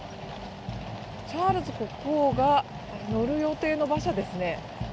チャールズ国王が乗る予定の馬車ですね。